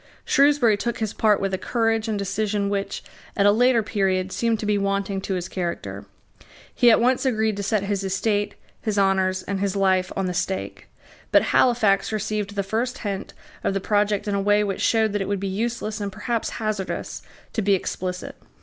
Shrewsbury took his part with a courage and decision which, at a later period, seemed to be wanting to his character. He at once agreed to set his estate, his honours, and his life, on the stake. But Halifax received the first hint of the project in a way which showed that it would be useless, and perhaps hazardous, to be explicit.